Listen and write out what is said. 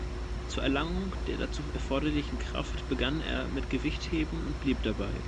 Zur Erlangung der dazu erforderlichen Kraft begann er mit Gewichtheben und blieb dabei.